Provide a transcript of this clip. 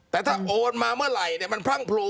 แต่ถ้าโอนมาเมื่อไหร่มันพรั่งพลู